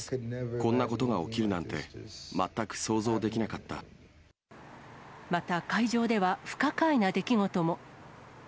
こんなことが起きるなんて全く想また、会場では不可解な出来事も。